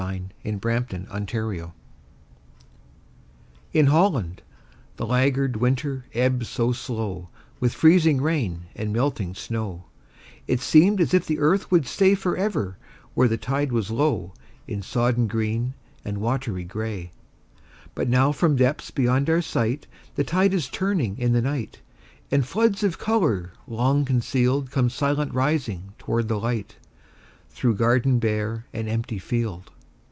FLOOD TIDE OF FLOWERS IN HOLLAND The laggard winter ebbed so slow With freezing rain and melting snow, It seemed as if the earth would stay Forever where the tide was low, In sodden green and watery gray. But now from depths beyond our sight, The tide is turning in the night, And floods of color long concealed Come silent rising toward the light, Through garden bare and empty field.